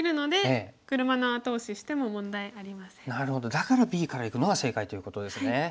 だからＢからいくのが正解ということですね。